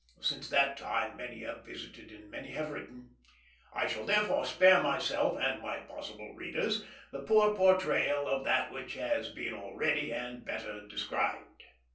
Since that time many have visited and many have written. I shall therefore spare myself and my possible readers the poor portrayal of that which has been already and better described.